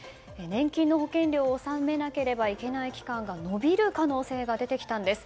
年金の保険料を納めなければいけない期間が延びる可能性が出てきたんです。